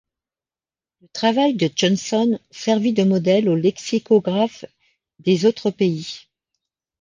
Le travail de Johnson servit de modèle aux lexicographes des autres pays.